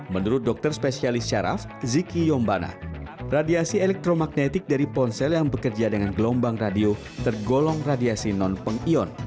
menurut dokter spesialis syaraf ziki yombana radiasi elektromagnetik dari ponsel yang bekerja dengan gelombang radio tergolong radiasi non pengion